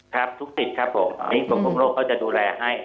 ทุกสิทธิ์ครับผมอันนี้กรมคุมโลกเขาจะดูแลให้